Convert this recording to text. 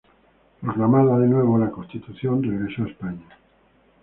Proclamada, de nuevo, la Constitución, regresó a España.